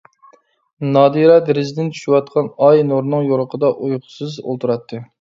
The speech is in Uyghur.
نادىرە دېرىزىدىن چۈشۈۋاتقان ئاي نۇرىنىڭ يورۇقىدا ئۇيقۇسىز ئولتۇراتتى.